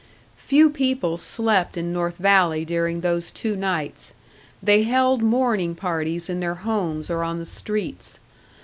Few people slept in North Valley during those two nights. They held mourning parties in their homes or on the streets.